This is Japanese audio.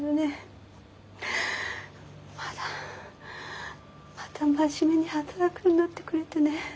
またまた真面目に働くようになってくれてね。